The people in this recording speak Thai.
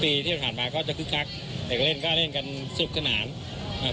ปีที่ผ่านมาก็จะคึกคักเด็กเล่นก็เล่นกันสนุกสนานเอ่อ